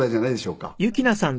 うん。